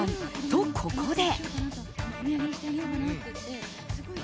と、ここで。